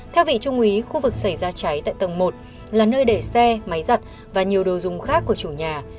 theo vị trung úy khu vực xảy ra cháy tại tầng một là nơi để xe máy giặt và nhiều đồ dùng khác của chủ nhà